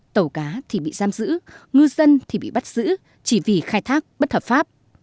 tàu cá thì bị giam giữ ngư dân thì bị bắt giữ chỉ vì khai thác bất hợp pháp